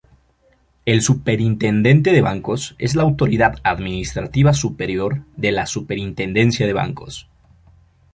El Superintendente de Bancos es la autoridad administrativa superior de la Superintendencia de Bancos.